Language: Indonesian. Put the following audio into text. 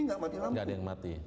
nggak mati lampu nggak ada yang mati